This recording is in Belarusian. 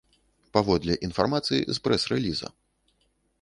Паводле інфармацыі з прэс-рэліза.